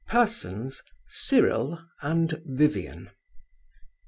Persons: Cyril and Vivian.